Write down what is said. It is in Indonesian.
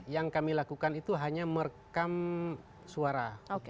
yang kami lakukan itu hanya merekam suara